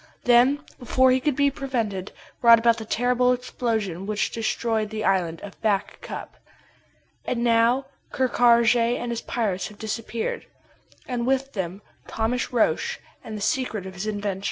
Then, before he could be prevented, brought about the terrible explosion which destroyed the island of Back Cup. And now Ker Karraje and his pirates have disappeared and with them Thomas Roch and the secret of his invention.